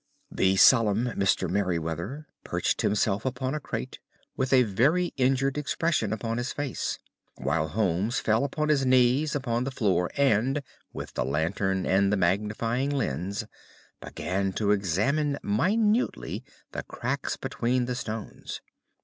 The solemn Mr. Merryweather perched himself upon a crate, with a very injured expression upon his face, while Holmes fell upon his knees upon the floor and, with the lantern and a magnifying lens, began to examine minutely the cracks between the stones.